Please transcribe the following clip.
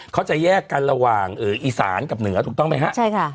เขาจะแยกกันระหว่างอีสานกับเหนือถูกต้องไหมฮะใช่ค่ะ